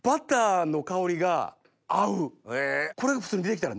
これが普通に出てきたら。